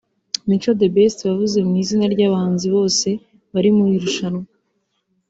Mico The Best wavuze mu izina ry’abahanzi bose bari mu irushanwa